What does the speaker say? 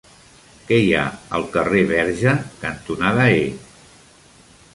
Què hi ha al carrer Verge cantonada E?